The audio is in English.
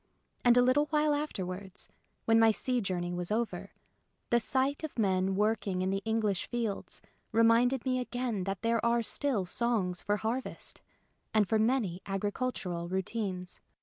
And a little while afterwards, when my sea journey was over, the sight of men working in the English fields reminded me again that there are still songs for harvest and for many agricultural routines.